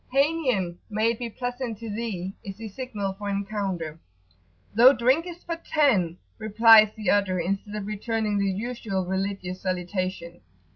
"Hanien," may it be pleasant to thee![FN#20] is the signal for encounter. [p.84]"Thou drinkest for ten," replies the other, instead of returning the usual religious salutation.